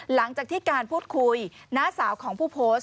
หลังจากที่การพูดคุยน้าสาวของผู้โพสต์